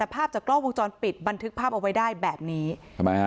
ภาพจากกล้องวงจรปิดบันทึกภาพเอาไว้ได้แบบนี้ทำไมฮะ